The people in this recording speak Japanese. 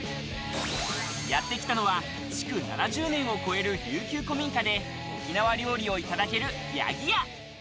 やってきたのは築７０年を超える琉球古民家で、沖縄料理をいただける屋宜家。